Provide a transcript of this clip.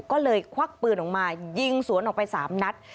ก็เลยควักปืนออกมายิงสวนออกไป๓นัด